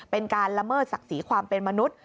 เป็นการละเมิดศักดิ์ศรีความเป็นมนุษย์